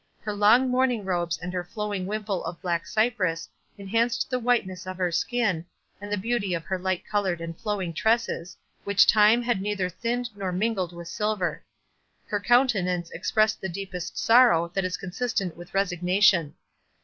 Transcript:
Her long mourning robes and her flowing wimple of black cypress, enhanced the whiteness of her skin, and the beauty of her light coloured and flowing tresses, which time had neither thinned nor mingled with silver. Her countenance expressed the deepest sorrow that is consistent with resignation.